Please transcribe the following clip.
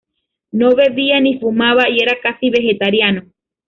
No bebía ni fumaba y era casi vegetariano.